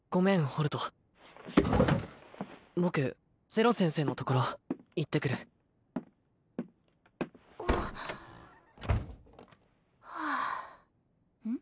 ホルト僕ゼロ先生のところ行ってくるあはあうん？